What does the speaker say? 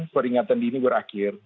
peringatan dini berakhir